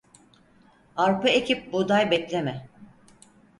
Arpa ekip buğday bekleme.